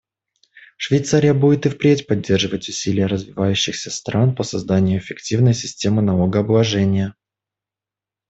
Швейцария будет и впредь поддерживать усилия развивающихся стран по созданию эффективной системы налогообложения.